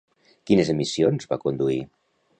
Quines emissions va conduir?